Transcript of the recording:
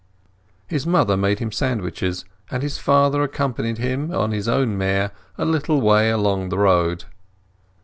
His mother made him sandwiches, and his father accompanied him, on his own mare, a little way along the road.